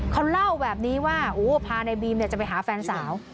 เขาเล่าแบบนี้ว่าพาในบีมจะไปหาแฟนสาว